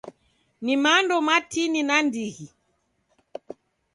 Ni mando matini nandighi.